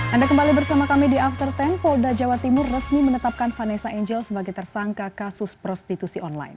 anda kembali bersama kami di after sepuluh polda jawa timur resmi menetapkan vanessa angel sebagai tersangka kasus prostitusi online